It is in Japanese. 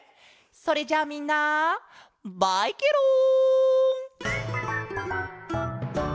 それじゃみんなバイケロン！